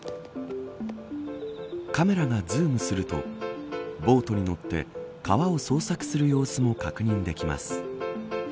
カメラがズームするとボートに乗って川を捜索する様子も確認できます。